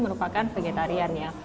merupakan vegetarian ya